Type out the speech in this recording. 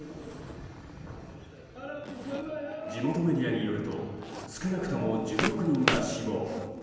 地元メディアによると少なくとも１６人が死亡。